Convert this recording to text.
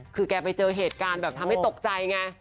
คือแกไปเจอเหตุการณ์แบบทำให้ตกใจไง